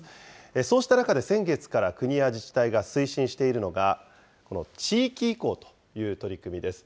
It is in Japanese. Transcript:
そうした中で、先月から国や自治体が推進しているのが、地域移行という取り組みです。